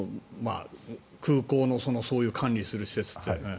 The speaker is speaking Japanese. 空港のそういうのを管理する施設って。